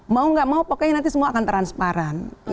mau nggak mau pokoknya nanti semua akan transparan